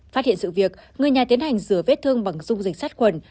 phát hiện sự việc người nhà tiến hành rửa vết thương bằng dung dịch sát khuẩn